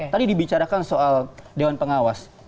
tadi dibicarakan soal dewan pengawas